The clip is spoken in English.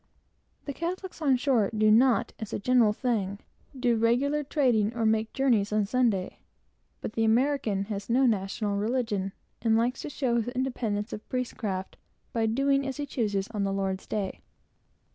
The Catholics on shore have no trading and make no journeys on Sunday, but the American has no national religion, and likes to show his independence of priestcraft by doing as he chooses on the Lord's day.